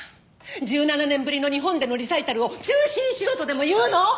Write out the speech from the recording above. １７年ぶりの日本でのリサイタルを中止にしろとでも言うの！？